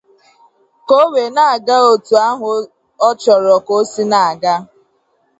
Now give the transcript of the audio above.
ka o wee na-aga etu ahụ ọ chọrọ ka o si na-aga.